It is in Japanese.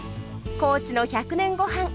高知の「１００年ゴハン」